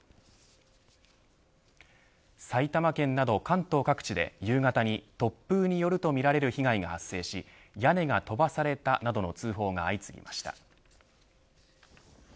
埼玉県など関東各地で夕方に突風によるとみられる被害が発生し屋根が飛ばされたなどの通報が相次ぎました。